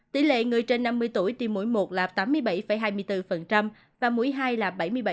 tỷ lệ người trên năm mươi tuổi tiêm mỗi một là tám mươi bảy hai mươi bốn và mũi hai là bảy mươi bảy